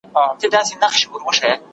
ښوونیز چاپیریال باید د نوښت ملاتړ وکړي.